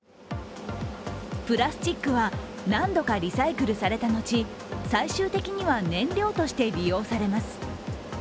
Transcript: プラスチックは何度かリサイクルされた後、最終的には燃料として利用されます。